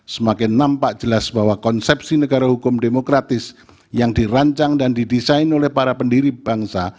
semakin nampak jelas bahwa konsepsi negara hukum demokratis yang dirancang dan didesain oleh para pendiri bangsa